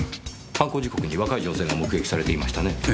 犯行時刻に若い女性が目撃されていましたね？